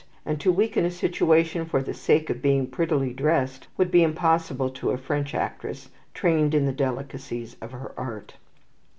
And to weaken a situation for the sake of being prettily dressed would be impossible to a French actress, trained in the delicacies of her art.